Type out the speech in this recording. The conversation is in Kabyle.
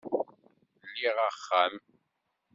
Liɣ axxam